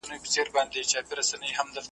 د مهربانۍ لاس زما په سر تېرولی